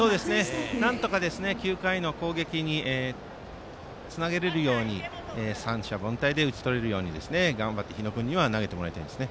なんとか９回の攻撃につなげられるように三者凡退で打ち取れるように頑張って日野君には投げてもらいたいです。